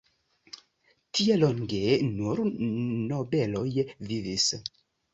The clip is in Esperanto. Tie longe nur nobeloj vivis.